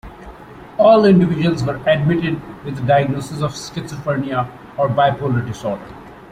All individuals were admitted with a diagnosis of schizophrenia or bipolar disorder.